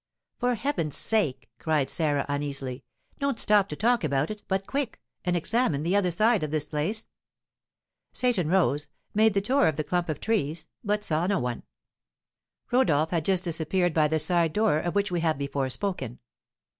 "For heaven's sake," cried Sarah, uneasily, "don't stop to talk about it, but quick! and examine the other side of this place!" Seyton rose, made the tour of the clump of trees, but saw no one. Rodolph had just disappeared by the side door, of which we have before spoken.